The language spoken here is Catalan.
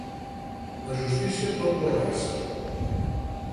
La justícia tot ho abraça.